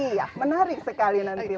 iya menarik sekali nanti